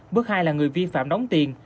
bước hai là người vi phạm đóng tiền